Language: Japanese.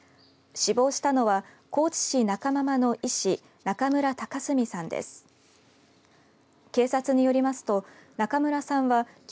死亡したのは高知市中万々の医師中村隆澄さんです。